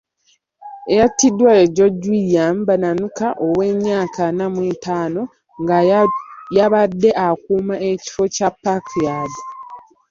Eyattiddwa ye George William Bananuka ow'emyaka ana mu etaano nga y'abadde akuuma ekifo kya Park yard.